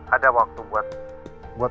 ada waktu buat